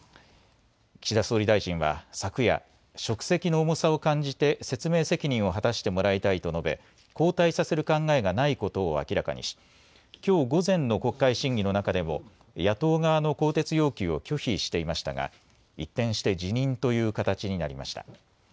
岸田総理大臣は昨夜、職責の重さを感じて、説明責任を果たしてもらいたいと述べ、交代させる考えがないことを明らかにし、きょう午前の国会審議の中でも、野党側の更迭要求を拒否していましたが、一転して辞任という形になりました。